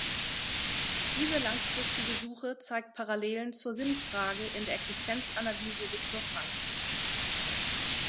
Diese langfristigen Suche zeigt Parallelen zur Sinnfrage in der Existenzanalyse Viktor Frankls.